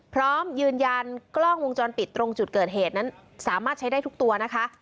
พร้อมยืนยันกล้องวงจรปิดตรงจุดเกิดเหตุนั้นสามารถใช้ได้ทุกตัวนะคะ